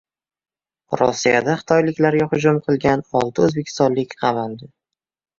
Rossiyada xitoyliklarga hujum qilgan olti o‘zbekistonlik qamaldi